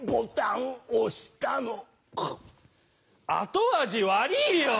後味悪ぃよ！